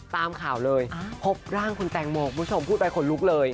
ตามข่าวเลยพบร่างคุณแตงโมคุณผู้ชมพูดไปขนลุกเลย